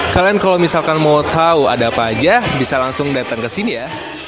kalian kalau misalkan mau tahu ada apa aja bisa langsung datang ke sini ya